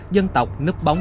dân tộc nứt bóng